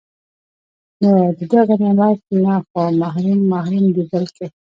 نو د دغه نعمت نه خو محروم محروم دی بلکي